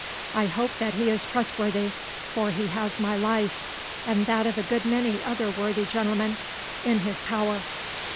"I hope that he is trustworthy, for he has my life, and that of a good many other worthy gentlemen, in his power."